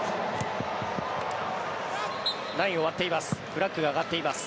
ラインを割っています。